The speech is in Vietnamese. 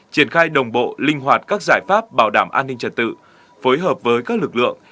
triển khai đồng bộ linh hoạt các giải pháp bảo đảm an ninh trật tự phối hợp với các lực lượng